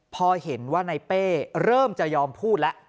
พอเห็นว่าในเป้เริ่มจะยอมพูดแล้ว